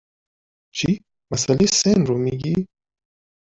چی ، مسئله سن رو میگی؟